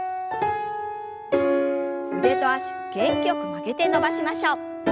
腕と脚元気よく曲げて伸ばしましょう。